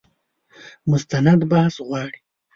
مستند بحث غواړي.